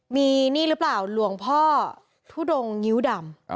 มีนี่หรือเปล่าหลวงพ่อทุดงงิ้วดำ